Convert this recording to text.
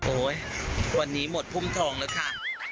วันนี้หมดพุ่มทองแล้วค่ะ